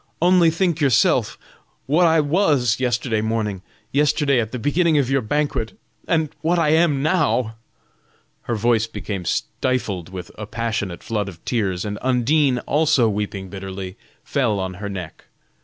Only think yourself what I was yesterday morning, yesterday at the beginning of your banquet, and what I am now!" Her voice became stifled with a passionate flood of tears, and Undine, also weeping bitterly, fell on her neck.